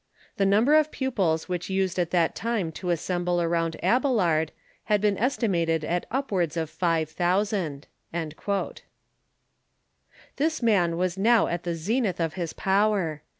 The number of pupils who used at that time to assemble round^^Abelard has been estimated at upwards of five thousand." This man was now at the zenith of his power.